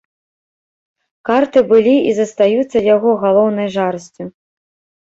Карты былі і застаюцца яго галоўнай жарсцю.